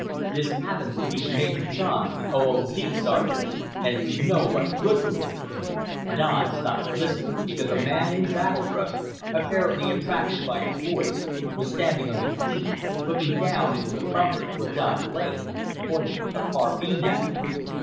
"This happens to be Major Johns, the O.O.D., Sergeant, and if you know what's good for you " Don stopped listening because a man in battle dress, apparently attracted by his voice, was standing on the green, looking down into the bunker where Don lay, pointing a carbine at him.